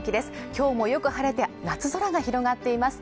今日もよく晴れて夏空が広がっています